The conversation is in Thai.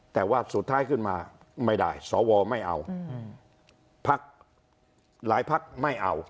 แต่ว่าสุดท้ายขึ้นมาไม่ได้สวไม่เอาพักหลายพักไม่เอา